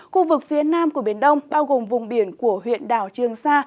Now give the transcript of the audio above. khu vực phía nam của biển đông bao gồm vùng biển của huyện đảo trường sa